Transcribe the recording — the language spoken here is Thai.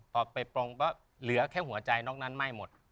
พอไปปลงก็เหลือแค่หัวใจนอกนั้นไหม้หมด